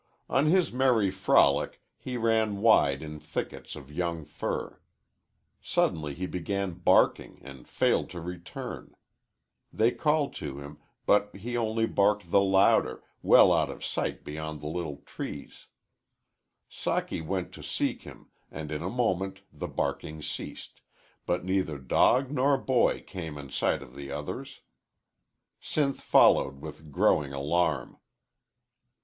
On his merry frolic he ran wide in thickets of young fir. Suddenly he began barking and failed to return. They called to him, but he only barked the louder, well out of sight beyond the little trees. Socky went to seek him, and in a moment the barking ceased, but neither dog nor boy came in sight of the others. Sinth followed with growing alarm.